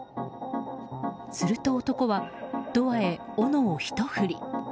すると、男はドアへおのをひと振り。